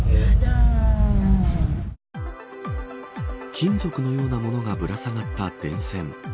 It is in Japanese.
金属のようなものがぶら下がった電線。